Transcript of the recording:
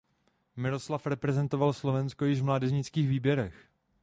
Miroslav reprezentoval Slovensko již v mládežnických výběrech.